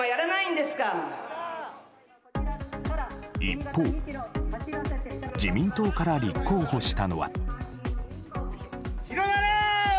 一方自民党から立候補したのは。